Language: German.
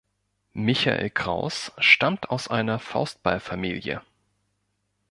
Michael Krauß stammt aus einer Faustball-Familie.